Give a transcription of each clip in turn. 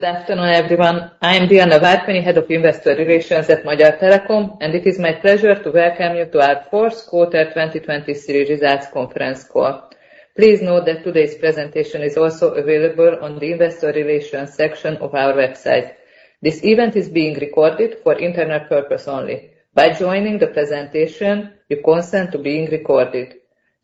Good afternoon, everyone. I'm Diana Várkonyi, Head of Investor Relations at Magyar Telekom, and it is my pleasure to welcome you to our fourth quarter 2023 results conference call. Please note that today's presentation is also available on the investor relations section of our website. This event is being recorded for internal purpose only. By joining the presentation, you consent to being recorded.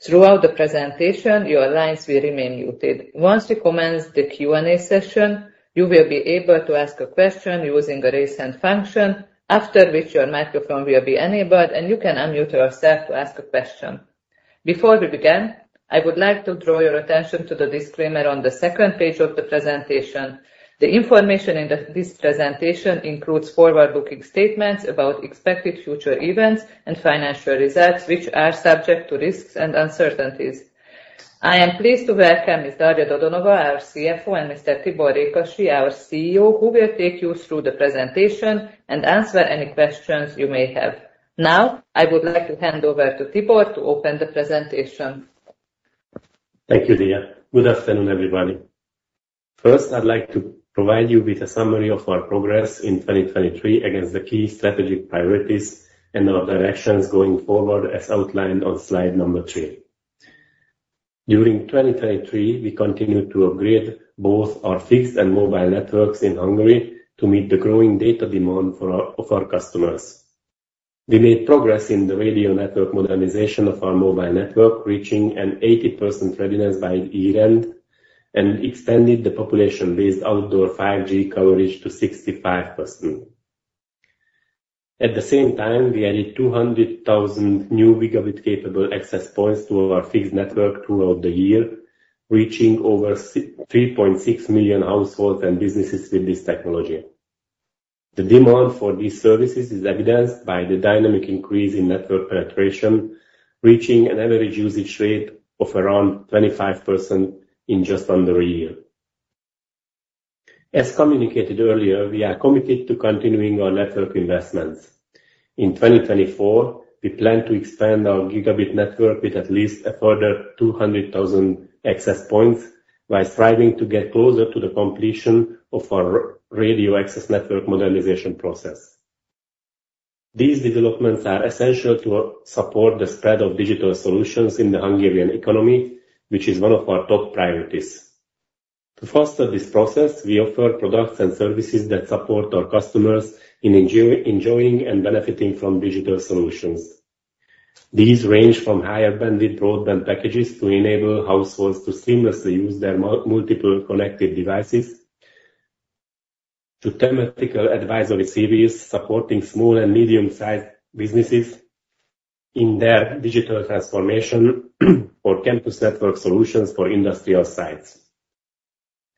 Throughout the presentation, your lines will remain muted. Once we commence the Q&A session, you will be able to ask a question using the Raise Hand function, after which your microphone will be enabled and you can unmute yourself to ask a question. Before we begin, I would like to draw your attention to the disclaimer on the second page of the presentation. The information in this presentation includes forward-looking statements about expected future events and financial results, which are subject to risks and uncertainties. I am pleased to welcome Ms. Daria Dodonova, our CFO, and Mr. Tibor Rékasi, our CEO, who will take you through the presentation and answer any questions you may have. Now, I would like to hand over to Tibor to open the presentation. Thank you, Dia. Good afternoon, everybody. First, I'd like to provide you with a summary of our progress in 2023 against the key strategic priorities and our directions going forward, as outlined on slide 3. During 2023, we continued to upgrade both our fixed and mobile networks in Hungary to meet the growing data demand for our-- of our customers. We made progress in the radio network modernization of our mobile network, reaching an 80% readiness by year-end, and extended the population-based outdoor 5G coverage to 65%. At the same time, we added 200,000 new gigabit-capable access points to our fixed network throughout the year, reaching over 3.6 million households and businesses with this technology. The demand for these services is evidenced by the dynamic increase in network penetration, reaching an average usage rate of around 25% in just under a year. As communicated earlier, we are committed to continuing our network investments. In 2024, we plan to expand our gigabit network with at least a further 200,000 access points, while striving to get closer to the completion of our radio access network modernization process. These developments are essential to support the spread of digital solutions in the Hungarian economy, which is one of our top priorities. To foster this process, we offer products and services that support our customers in enjoying and benefiting from digital solutions. These range from higher bandwidth broadband packages to enable households to seamlessly use their multiple connected devices, to thematic advisory series supporting small and medium-sized businesses in their digital transformation, or campus network solutions for industrial sites.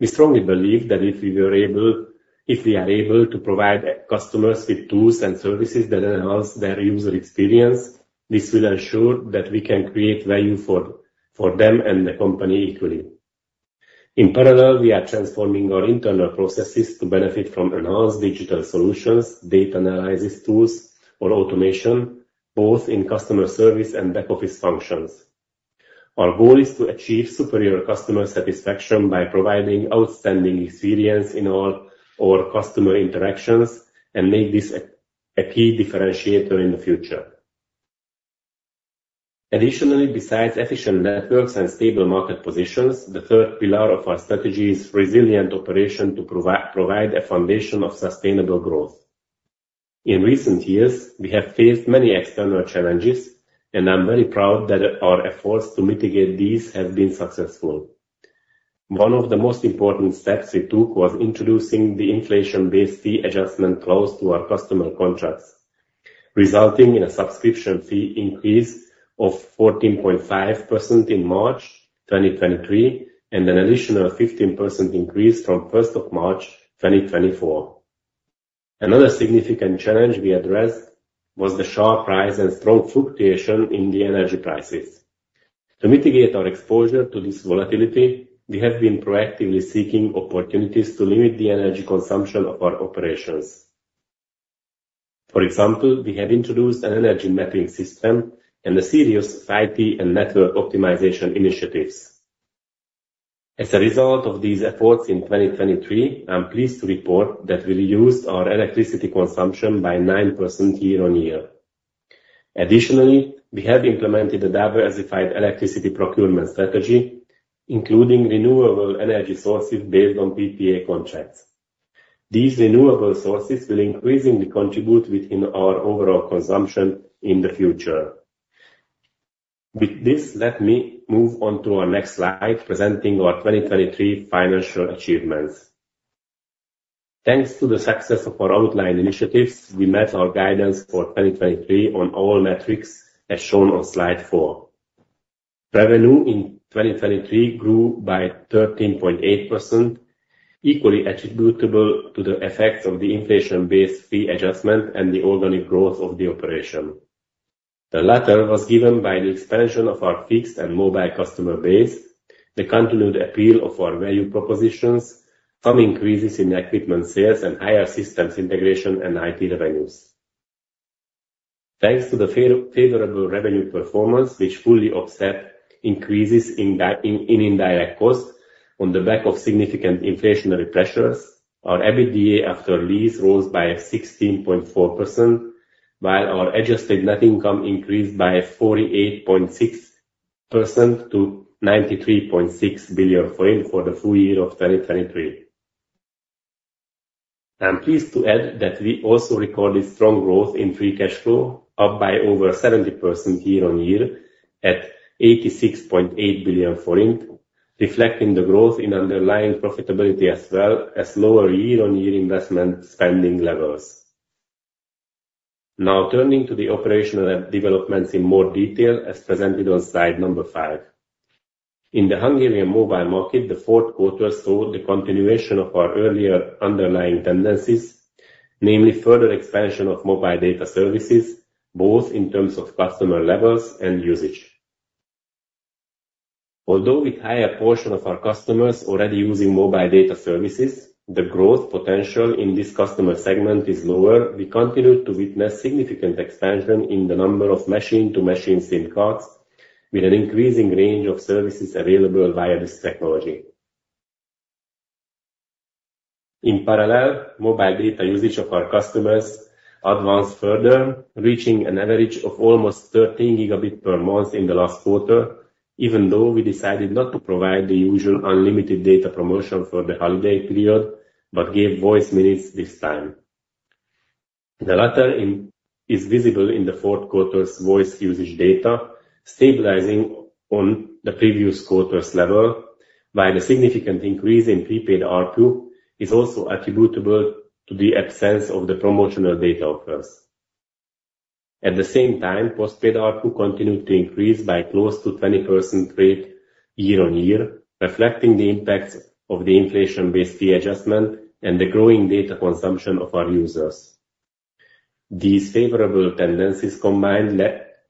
We strongly believe that if we are able to provide customers with tools and services that enhance their user experience, this will ensure that we can create value for them and the company equally. In parallel, we are transforming our internal processes to benefit from enhanced digital solutions, data analysis tools or automation, both in customer service and back office functions. Our goal is to achieve superior customer satisfaction by providing outstanding experience in all our customer interactions and make this a key differentiator in the future. Additionally, besides efficient networks and stable market positions, the third pillar of our strategy is resilient operation to provide a foundation of sustainable growth. In recent years, we have faced many external challenges, and I'm very proud that our efforts to mitigate these have been successful. One of the most important steps we took was introducing the inflation-based fee adjustment clause to our customer contracts, resulting in a subscription fee increase of 14.5% in March 2023, and an additional 15% increase from March 1, 2024. Another significant challenge we addressed was the sharp rise and strong fluctuation in the energy prices. To mitigate our exposure to this volatility, we have been proactively seeking opportunities to limit the energy consumption of our operations. For example, we have introduced an energy mapping system and a series of IT and network optimization initiatives. As a result of these efforts in 2023, I'm pleased to report that we reduced our electricity consumption by 9% year-over-year. Additionally, we have implemented a diversified electricity procurement strategy, including renewable energy sources based on PPA contracts. These renewable sources will increasingly contribute within our overall consumption in the future. With this, let me move on to our next slide, presenting our 2023 financial achievements. Thanks to the success of our outlined initiatives, we met our guidance for 2023 on all metrics, as shown on slide 4. Revenue in 2023 grew by 13.8%, equally attributable to the effects of the inflation-based fee adjustment and the organic growth of the operation. The latter was given by the expansion of our fixed and mobile customer base, the continued appeal of our value propositions, some increases in equipment sales and higher systems integration and IT revenues. Thanks to the fairly favorable revenue performance, which fully offset increases in indirect costs on the back of significant inflationary pressures, our EBITDA after lease rose by 16.4%, while our adjusted net income increased by 48.6% to 93.6 billion for the full year of 2023. I'm pleased to add that we also recorded strong growth in free cash flow, up by over 70% year-on-year, at 86.8 billion forint, reflecting the growth in underlying profitability as well as lower year-on-year investment spending levels. Now, turning to the operational developments in more detail, as presented on slide number 5. In the Hungarian mobile market, the fourth quarter saw the continuation of our earlier underlying tendencies, namely further expansion of mobile data services, both in terms of customer levels and usage. Although with higher portion of our customers already using mobile data services, the growth potential in this customer segment is lower, we continue to witness significant expansion in the number of machine-to-machine SIM cards with an increasing range of services available via this technology. In parallel, mobile data usage of our customers advanced further, reaching an average of almost 13 gigabit per month in the last quarter, even though we decided not to provide the usual unlimited data promotion for the holiday period, but gave voice minutes this time. The latter is visible in the fourth quarter's voice usage data, stabilizing on the previous quarter's level, while the significant increase in prepaid ARPU is also attributable to the absence of the promotional data offers. At the same time, postpaid ARPU continued to increase by close to 20% year-on-year, reflecting the impacts of the inflation-based fee adjustment and the growing data consumption of our users. These favorable tendencies combined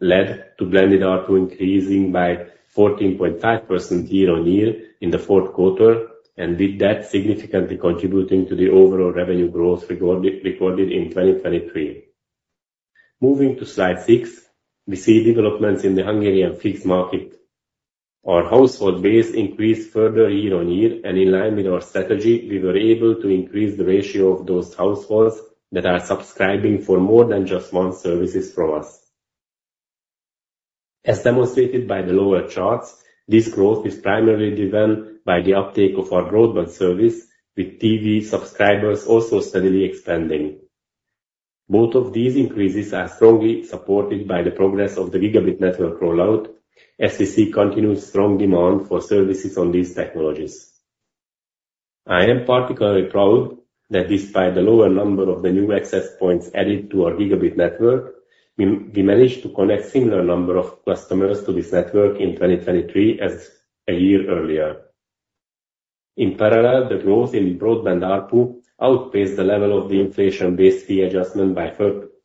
led to blended ARPU increasing by 14.5% year-on-year in the fourth quarter, and with that, significantly contributing to the overall revenue growth recorded in 2023. Moving to slide 6, we see developments in the Hungarian fixed market. Our household base increased further year-on-year, and in line with our strategy, we were able to increase the ratio of those households that are subscribing for more than just one service from us. As demonstrated by the lower charts, this growth is primarily driven by the uptake of our broadband service, with TV subscribers also steadily expanding. Both of these increases are strongly supported by the progress of the gigabit network rollout, as we see continuous strong demand for services on these technologies. I am particularly proud that despite the lower number of the new access points added to our gigabit network, we managed to connect similar number of customers to this network in 2023 as a year earlier. In parallel, the growth in broadband ARPU outpaced the level of the inflation-based fee adjustment by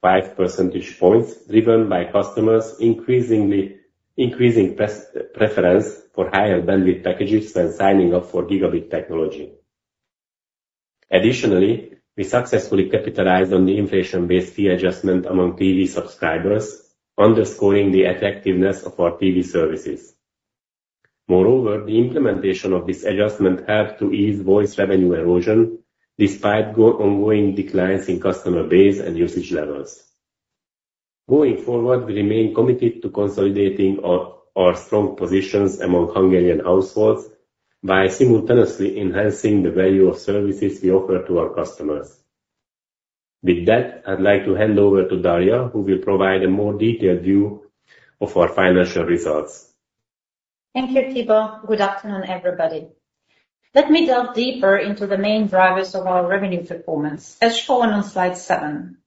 five percentage points, driven by customers increasing preference for higher bandwidth packages when signing up for gigabit technology. Additionally, we successfully capitalized on the inflation-based fee adjustment among TV subscribers, underscoring the attractiveness of our TV services. Moreover, the implementation of this adjustment helped to ease voice revenue erosion, despite ongoing declines in customer base and usage levels. Going forward, we remain committed to consolidating our, our strong positions among Hungarian households, by simultaneously enhancing the value of services we offer to our customers. With that, I'd like to hand over to Daria, who will provide a more detailed view of our financial results. Thank you, Tibor. Good afternoon, everybody. Let me delve deeper into the main drivers of our revenue performance, as shown on slide 7.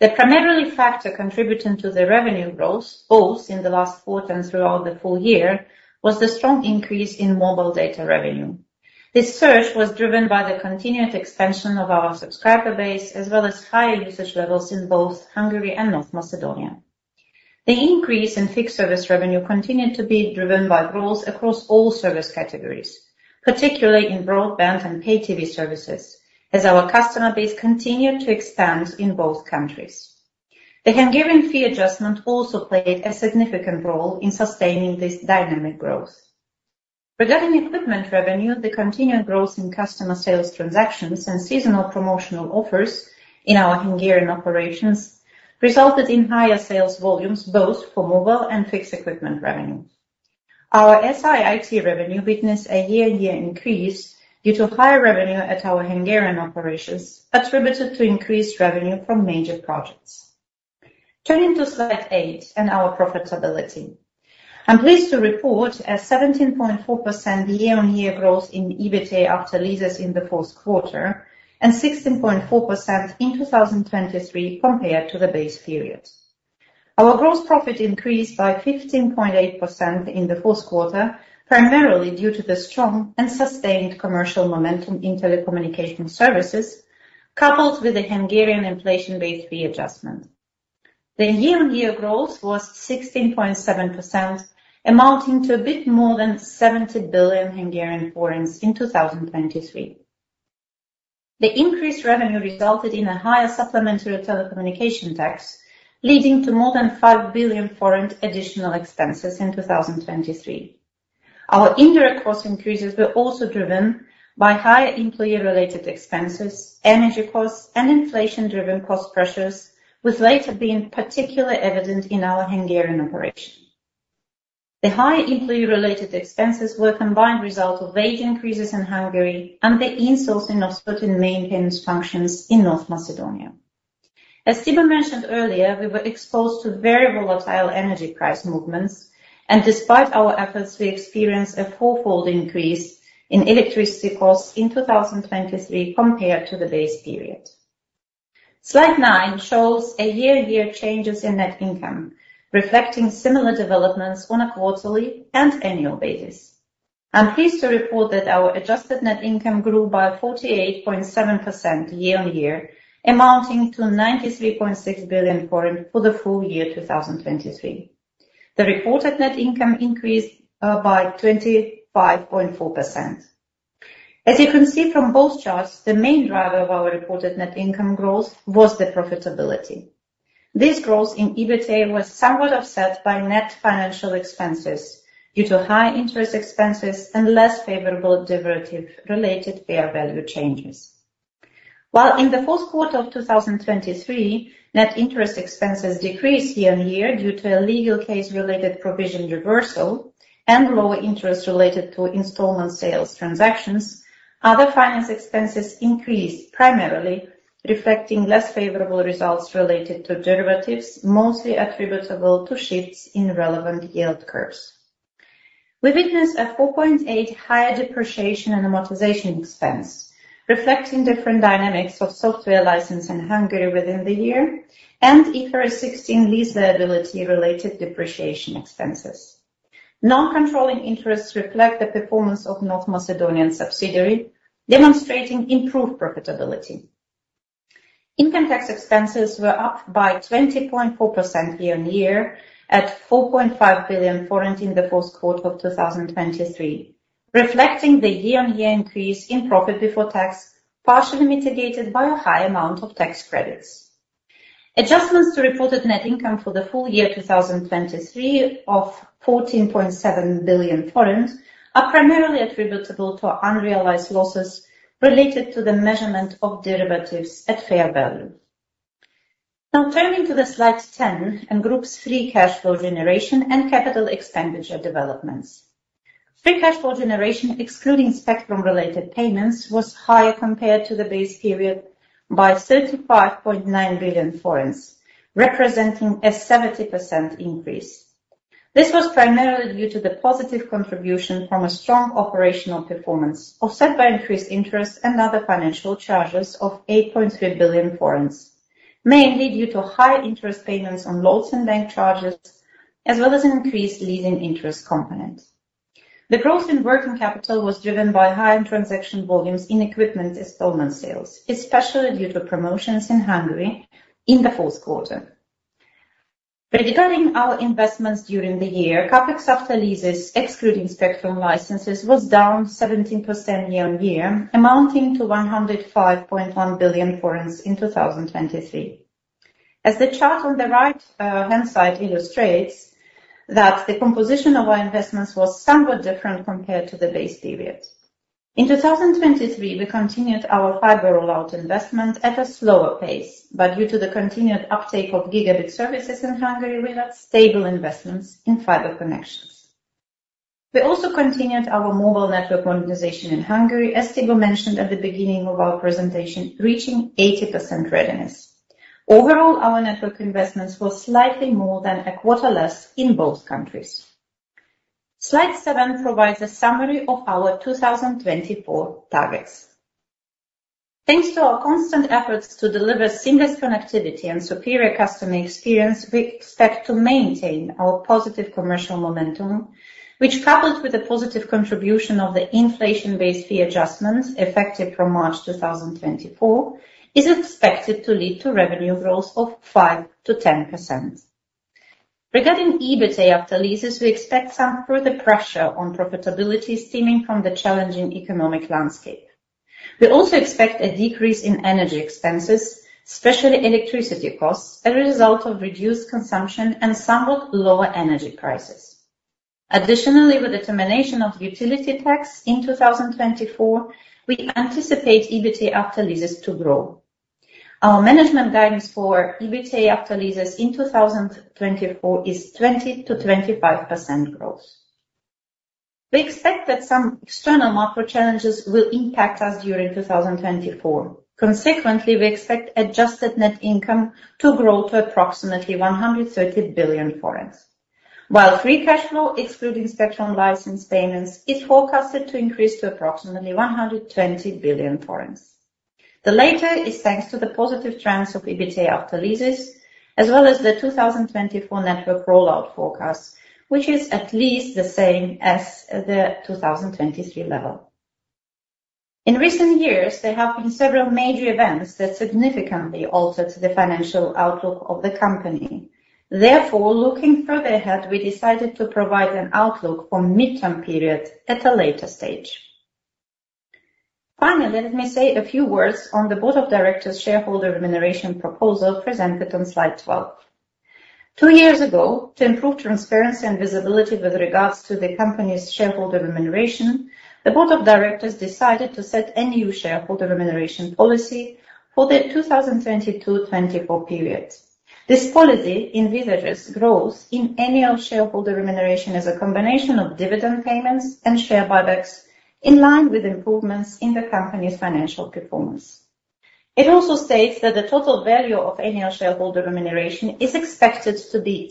The primary factor contributing to the revenue growth, both in the last quarter and throughout the full year, was the strong increase in mobile data revenue. This surge was driven by the continued expansion of our subscriber base, as well as higher usage levels in both Hungary and North Macedonia. The increase in fixed service revenue continued to be driven by growth across all service categories, particularly in broadband and pay TV services, as our customer base continued to expand in both countries. The Hungarian fee adjustment also played a significant role in sustaining this dynamic growth. Regarding equipment revenue, the continued growth in customer sales transactions and seasonal promotional offers in our Hungarian operations resulted in higher sales volumes, both for mobile and fixed equipment revenue. Our SI/IT revenue witnessed a year-on-year increase due to higher revenue at our Hungarian operations, attributed to increased revenue from major projects. Turning to slide 8 and our profitability. I'm pleased to report a 17.4% year-on-year growth in EBITDA after leases in the fourth quarter, and 16.4% in 2023 compared to the base periods. Our gross profit increased by 15.8% in the fourth quarter, primarily due to the strong and sustained commercial momentum in telecommunication services, coupled with the Hungarian inflation-based fee adjustment. The year-on-year growth was 16.7%, amounting to a bit more than 70 billion Hungarian forints in 2023. The increased revenue resulted in a higher supplementary telecommunication tax, leading to more than 5 billion additional expenses in 2023. Our indirect cost increases were also driven by higher employee-related expenses, energy costs, and inflation-driven cost pressures, with later being particularly evident in our Hungarian operation. The higher employee-related expenses were a combined result of wage increases in Hungary and the in-sourcing of certain maintenance functions in North Macedonia. As Tibor mentioned earlier, we were exposed to very volatile energy price movements, and despite our efforts, we experienced a fourfold increase in electricity costs in 2023 compared to the base period. Slide 9 shows a year-on-year changes in net income, reflecting similar developments on a quarterly and annual basis. I'm pleased to report that our adjusted net income grew by 48.7% year-on-year, amounting to 93.6 billion for the full year 2023. The reported net income increased by 25.4%. As you can see from both charts, the main driver of our reported net income growth was the profitability. This growth in EBITDA was somewhat offset by net financial expenses due to high interest expenses and less favorable derivative-related fair value changes. While in the fourth quarter of 2023, net interest expenses decreased year-on-year due to a legal case-related provision reversal and lower interest related to installment sales transactions, other finance expenses increased, primarily reflecting less favorable results related to derivatives, mostly attributable to shifts in relevant yield curves. We witnessed a 4.8 higher depreciation and amortization expense, reflecting different dynamics of software license in Hungary within the year and IFRS 16 lease liability related depreciation expenses. Non-controlling interests reflect the performance of North Macedonian subsidiary, demonstrating improved profitability. Income tax expenses were up by 20.4% year-on-year, at 4.5 billion in the fourth quarter of 2023, reflecting the year-on-year increase in profit before tax, partially mitigated by a high amount of tax credits. Adjustments to reported net income for the full year 2023 of 14.7 billion are primarily attributable to unrealized losses related to the measurement of derivatives at fair value. Now, turning to the slide 10, and Group's free cash flow generation and capital expenditure developments. Free cash flow generation, excluding spectrum-related payments, was higher compared to the base period by 35.9 billion forints, representing a 70% increase. This was primarily due to the positive contribution from a strong operational performance, offset by increased interest and other financial charges of 8.3 billion forints, mainly due to higher interest payments on loans and bank charges, as well as an increased leasing interest component. The growth in working capital was driven by higher transaction volumes in equipment installment sales, especially due to promotions in Hungary in the fourth quarter. Regarding our investments during the year, CapEx after leases, excluding spectrum licenses, was down 17% year-on-year, amounting to 105.1 billion forints in 2023. As the chart on the right hand side illustrates that the composition of our investments was somewhat different compared to the base period. In 2023, we continued our fiber rollout investment at a slower pace, but due to the continued uptake of gigabit services in Hungary, we had stable investments in fiber connections. We also continued our mobile network modernization in Hungary, as Tibor mentioned at the beginning of our presentation, reaching 80% readiness. Overall, our network investments were slightly more than a quarter less in both countries. Slide 7 provides a summary of our 2024 targets. Thanks to our constant efforts to deliver seamless connectivity and superior customer experience, we expect to maintain our positive commercial momentum, which, coupled with a positive contribution of the inflation-based fee adjustments effective from March 2024, is expected to lead to revenue growth of 5%-10%. Regarding EBITDA after leases, we expect some further pressure on profitability stemming from the challenging economic landscape. We also expect a decrease in energy expenses, especially electricity costs, as a result of reduced consumption and somewhat lower energy prices. Additionally, with the termination of utility tax in 2024, we anticipate EBITDA AL to grow. Our management guidance for EBITDA AL in 2024 is 20%-25% growth. We expect that some external macro challenges will impact us during 2024. Consequently, we expect adjusted net income to grow to approximately 130 billion forints, while free cash flow, excluding spectrum license payments, is forecasted to increase to approximately 120 billion forints. The latter is thanks to the positive trends of EBITDA AL, as well as the 2024 network rollout forecast, which is at least the same as the 2023 level. In recent years, there have been several major events that significantly altered the financial outlook of the company. Therefore, looking further ahead, we decided to provide an outlook for midterm period at a later stage. Finally, let me say a few words on the Board of Directors shareholder remuneration proposal presented on slide 12. Two years ago, to improve transparency and visibility with regards to the company's shareholder remuneration, the Board of Directors decided to set a new shareholder remuneration policy for the 2020-2024 period. This policy envisages growth in annual shareholder remuneration as a combination of dividend payments and share buybacks, in line with improvements in the company's financial performance. It also states that the total value of annual shareholder remuneration is expected to be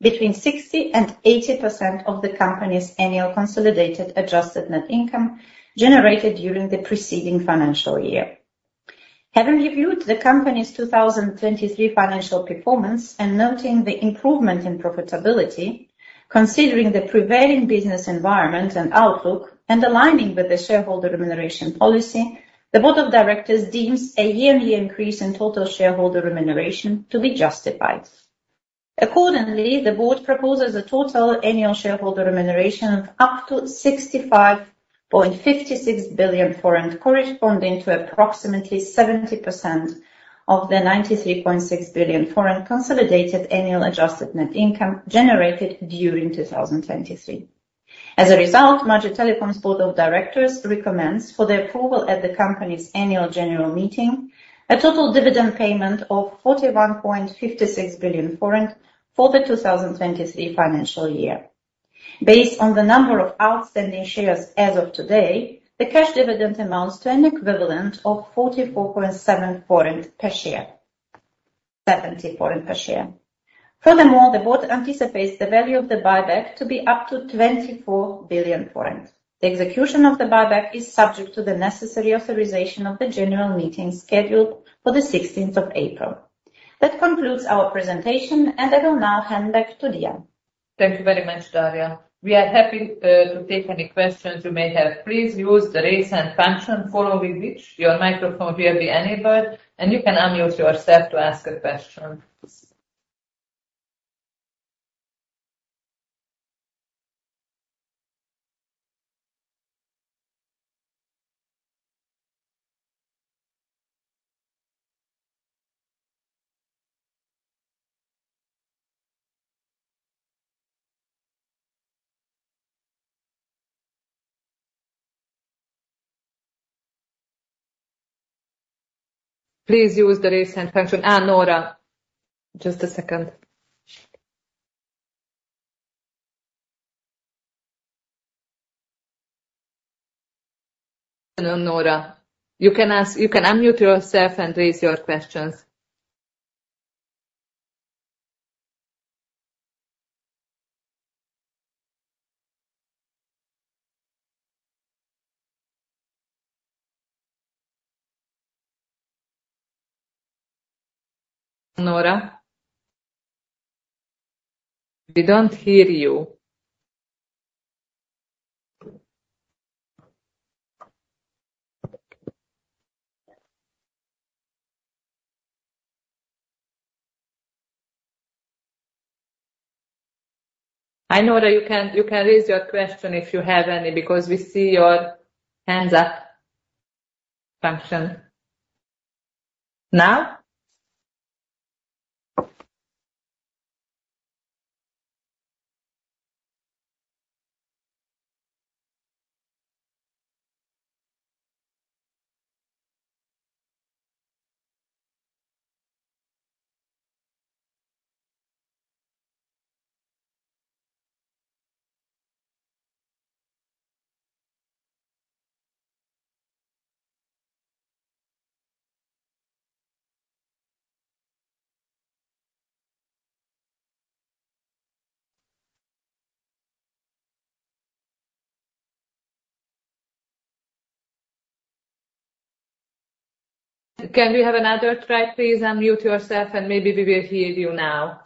between 60% and 80% of the company's annual consolidated adjusted net income generated during the preceding financial year. Having reviewed the company's 2023 financial performance and noting the improvement in profitability, considering the prevailing business environment and outlook, and aligning with the shareholder remuneration policy, the Board of Directors deems a yearly increase in total shareholder remuneration to be justified. Accordingly, the board proposes a total annual shareholder remuneration of up to 65.56 billion forint, corresponding to approximately 70% of the 93.6 billion forint consolidated annual adjusted net income generated during 2023. As a result, Magyar Telekom's Board of Directors recommends for the approval at the company's Annual General Meeting, a total dividend payment of 41.56 billion for the 2023 financial year. Based on the number of outstanding shares as of today, the cash dividend amounts to an equivalent of 44.7 HUF per share... 70 HUF per share. Furthermore, the board anticipates the value of the buyback to be up to 24 billion. The execution of the buyback is subject to the necessary authorization of the general meeting, scheduled for the 16th of April. That concludes our presentation, and I will now hand back to Diana. Thank you very much, Daria. We are happy to take any questions you may have. Please use the Raise Hand function, following which your microphone will be enabled, and you can unmute yourself to ask a question. Please use the Raise Hand function. Ah, Nora, just a second. Hello, Nora. You can unmute yourself and raise your questions. Nora, we don't hear you. I know that you can raise your question if you have any, because we see your hands up function. Now? Can we have another try, please? Unmute yourself, and maybe we will hear you now.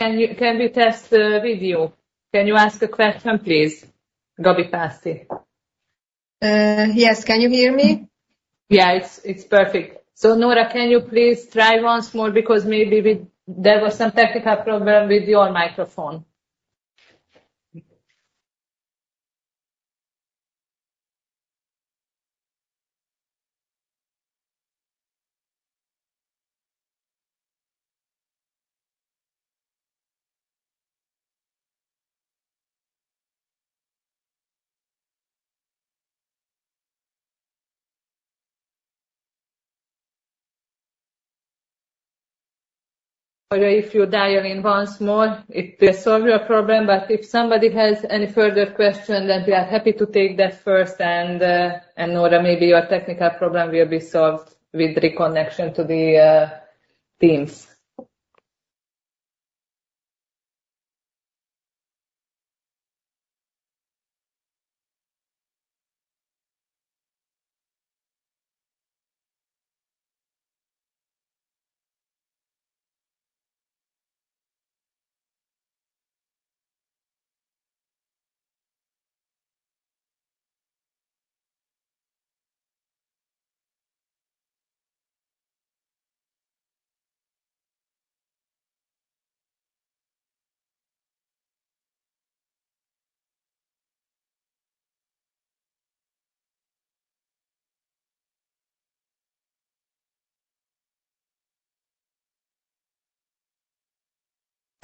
Can you, can we test with you? Can you ask a question, please, Gabi Pászti? Yes. Can you hear me? Yeah, it's, it's perfect. So, Nora, can you please try once more because maybe there was some technical problem with your microphone? Or if you dial in once more, it will solve your problem. But if somebody has any further question, then we are happy to take that first, and Nora, maybe your technical problem will be solved with reconnection to the Teams.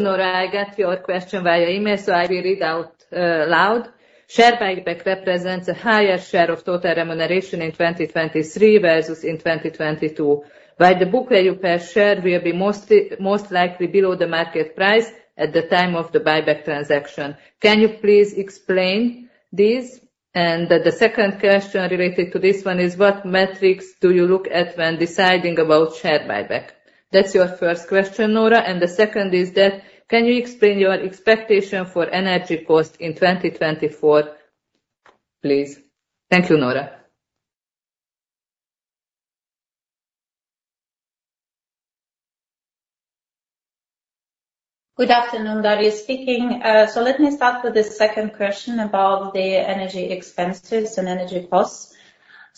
Nora, I got your question via email, so I will read out loud. Share buyback represents a higher share of total remuneration in 2023 versus in 2022, while the book value per share will be most likely below the market price at the time of the buyback transaction. Can you please explain this? And the second question related to this one is: What metrics do you look at when deciding about share buyback? That's your first question, Nora. And the second is that, can you explain your expectation for energy cost in 2024, please? Thank you, Nora. Good afternoon, Daria speaking. So let me start with the second question about the energy expenses and energy costs.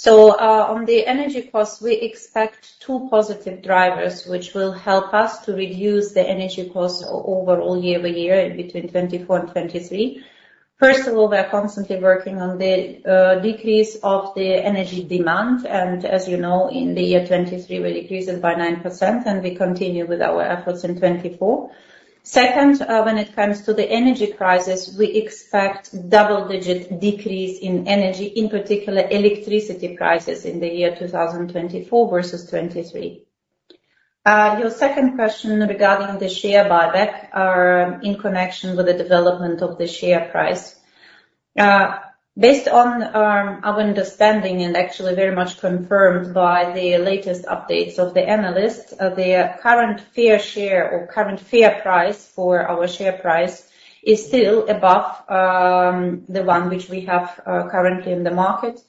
On the energy costs, we expect two positive drivers, which will help us to reduce the energy costs overall year-over-year between 2024 and 2023. First of all, we are constantly working on the decrease of the energy demand, and as you know, in the year 2023, we decreased it by 9%, and we continue with our efforts in 2024. Second, when it comes to the energy prices, we expect double-digit decrease in energy, in particular, electricity prices in the year 2024 versus 2023. Your second question regarding the share buyback are in connection with the development of the share price. Based on our understanding, and actually very much confirmed by the latest updates of the analysts, the current fair share or current fair price for our share price is still above the one which we have currently in the market.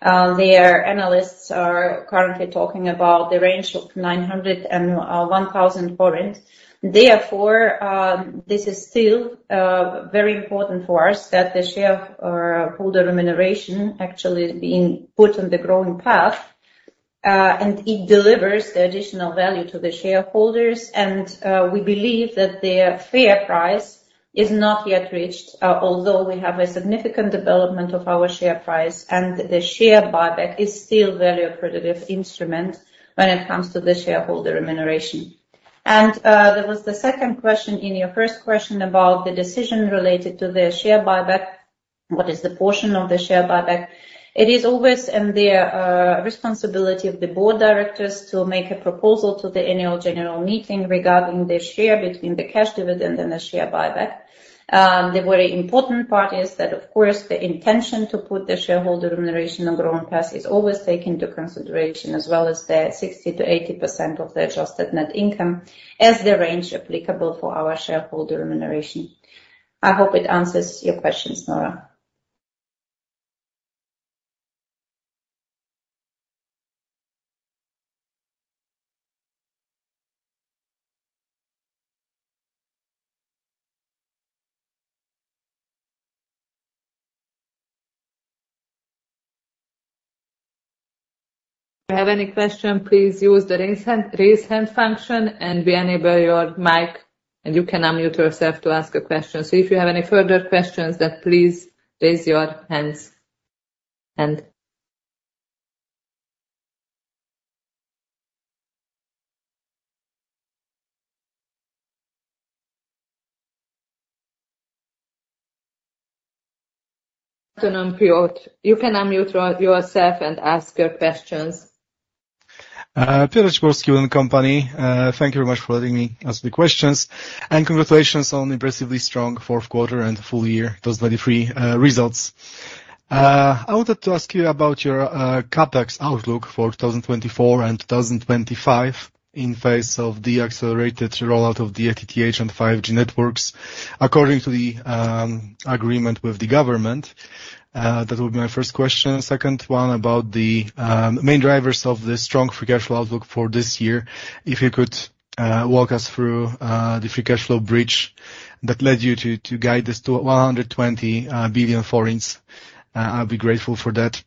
Their analysts are currently talking about the range of 900-1,000 HUF. Therefore, this is still very important for us that the shareholder remuneration actually being put on the growing path, and it delivers the additional value to the shareholders. And we believe that their fair price is not yet reached, although we have a significant development of our share price, and the share buyback is still very accretive instrument when it comes to the shareholder remuneration. There was the second question in your first question about the decision related to the share buyback. What is the portion of the share buyback? It is always in the responsibility of the Board of Directors to make a proposal to the Annual General Meeting regarding the share between the cash dividend and the share buyback. The very important part is that, of course, the intention to put the shareholder remuneration on ground pass is always taken into consideration, as well as the 60%-80% of the adjusted net income as the range applicable for our shareholder remuneration. I hope it answers your questions, Nora. If you have any question, please use the raise hand, raise hand function, and we enable your mic, and you can unmute yourself to ask a question. So if you have any further questions, then please raise your hands. Good afternoon, Piotr. You can unmute yourself and ask your questions. Piotr Dzieciołowski and company. Thank you very much for letting me ask the questions, and congratulations on impressively strong fourth quarter and full year 2023 results. I wanted to ask you about your CapEx outlook for 2024 and 2025 in face of the accelerated rollout of the FTTH and 5G networks, according to the agreement with the government. That would be my first question. Second one, about the main drivers of the strong free cash flow outlook for this year. If you could walk us through the free cash flow bridge that led you to guide this to 120 billion, I'll be grateful for that.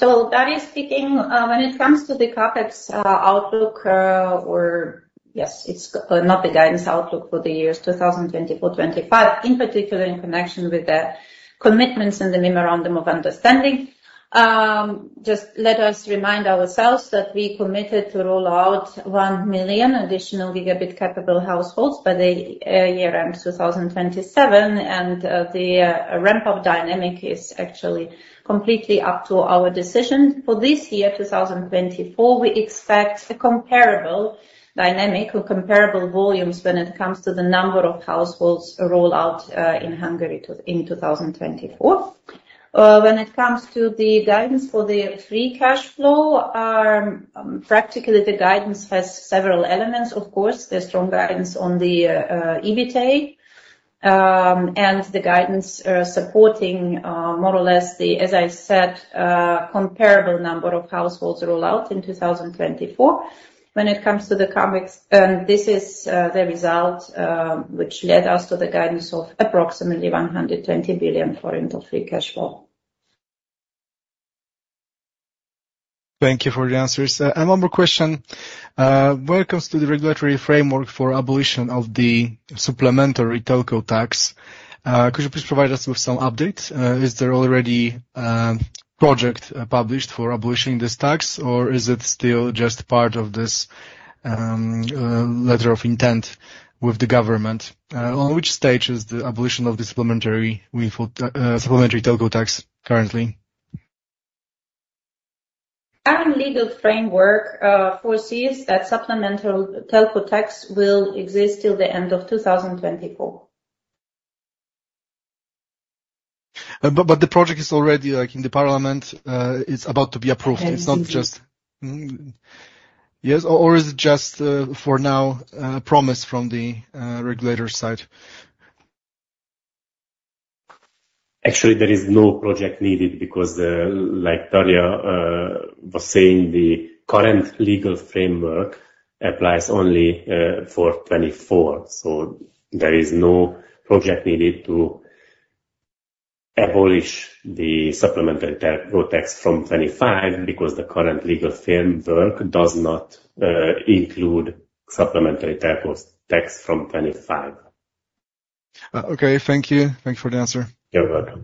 So Daria speaking. When it comes to the CapEx outlook, yes, it's not the guidance outlook for the years 2024, 2025, in particular, in connection with the commitments and the memorandum of understanding. Just let us remind ourselves that we committed to roll out 1 million additional gigabit-capable households by the year end 2027, and the ramp-up dynamic is actually completely up to our decision. For this year, 2024, we expect a comparable dynamic or comparable volumes when it comes to the number of households rollout in Hungary in 2024. When it comes to the guidance for the free cash flow, practically, the guidance has several elements, of course, the strong guidance on the EBITDA, and the guidance supporting, more or less the, as I said, comparable number of households rollout in 2024. When it comes to the CapEx, this is the result which led us to the guidance of approximately 120 billion for into free cash flow. Thank you for the answers. One more question. When it comes to the regulatory framework for abolition of the supplementary telco tax, could you please provide us with some updates? Is there already project published for abolishing this tax, or is it still just part of this letter of intent with the government? On which stage is the abolition of this supplementary telco tax currently? Current legal framework foresees that supplemental telco tax will exist till the end of 2024. But the project is already, like, in the parliament. It's about to be approved. Yes, indeed. It's not just... Yes. Or, or is it just, for now, promise from the regulator side? Actually, there is no project needed because, like Daria was saying, the current legal framework applies only for 2024. So there is no project needed to abolish the supplementary telco tax from 2025 because the current legal framework does not include supplementary telco tax from 2025. Okay. Thank you. Thank you for the answer. You're welcome.